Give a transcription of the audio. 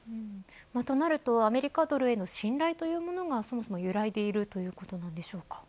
となると、アメリカドルへの信頼というものがそもそも揺らいでいるということなんでしょうか。